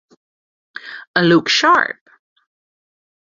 A Look Sharp!